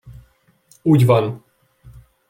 Úgy van!